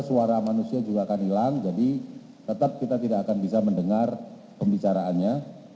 suara manusia juga akan hilang jadi tetap kita tidak akan bisa mendengar pembicaraannya